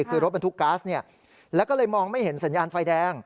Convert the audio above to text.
คือรถบรรทุกก๊าซแล้วก็เลยมองไม่เห็นสัญญาณไฟแดง